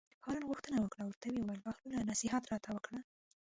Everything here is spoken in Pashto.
هارون غوښتنه وکړه او ورته ویې ویل: بهلوله نصیحت راته وکړه.